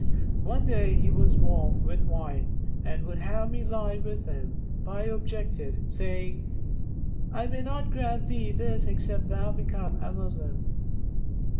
One day, he was warm with wine and would have me lie with him, but I objected, saying, 'I may not grant thee this except thou become a Moslem.